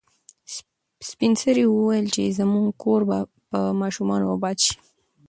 سپین سرې وویل چې زموږ کور به په ماشومانو اباد شي.